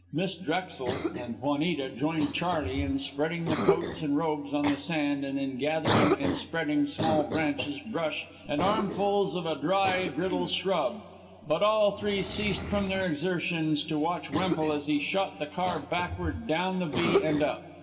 Miss Drexel and Juanita joined Charley in spreading the coats and robes on the sand and in gathering and spreading small branches, brush, and armfuls of a dry, brittle shrub. But all three ceased from their exertions to watch Wemple as he shot the car backward down the V and up.